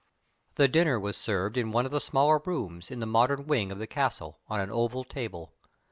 The dinner was served in one of the smaller rooms, in the modern wing of the Castle, on an oval table.